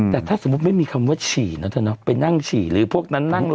แต่ถ้าสมมุติไม่มีคำว่าฉี่นะเธอเนาะไปนั่งฉี่หรือพวกนั้นนั่งรอ